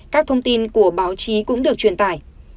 các thông tin của báo chí cũng được truyền tải